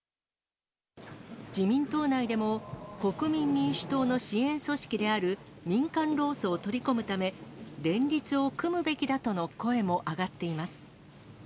自民党内でも、国民民主党の支援組織である民間労組を取り込むため、連立を組むべきだとの声も上がっています。